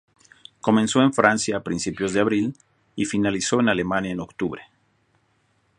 Comenzó en Francia a principios de abril, y finalizó en Alemania en octubre.